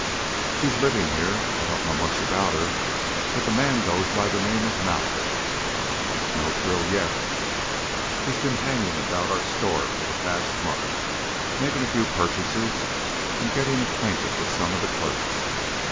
"She's living here. I don't know much about her, but the man goes by the name of Mallow." "No thrill yet." "He's been hanging about our store for the past month, making a few purchases and getting acquainted with some of the clerks.